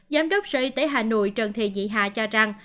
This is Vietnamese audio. giám đốc sở y tế hà nội trần thị dĩ hà cho rằng